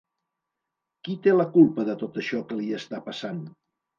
Qui té la culpa de tot això que li està passant?